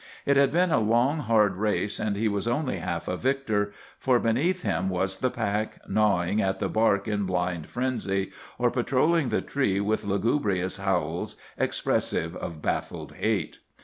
It had been a long, hard race, and he was only half a victor. For beneath him was the pack, gnawing at the bark in blind frenzy, or patrolling the tree with lugubrious howls expressive of baffled hate.